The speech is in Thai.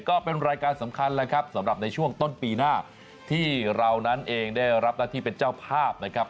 ก็เป็นรายการสำคัญแล้วครับสำหรับในช่วงต้นปีหน้าที่เรานั้นเองได้รับหน้าที่เป็นเจ้าภาพนะครับ